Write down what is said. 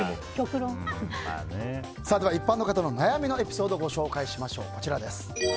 一般の方の悩みのエピソードご紹介しましょう。